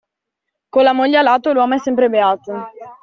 Con la moglie a lato l'uomo è sempre beato.